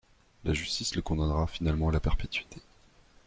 La justice le condamnera finalement à la perpétuité.